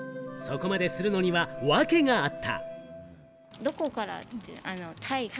そこまでするのには訳があった。